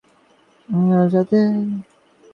চলো ওকে একটা ডক্টরের কাছে নিয়ে যাই।